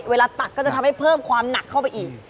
เวลาตัดก็จะทำให้เพิ่มความหนักเข้าไปอีก